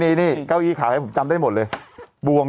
เนี่ยเก้าอี้เขาให้ผมจำได้หมดเลย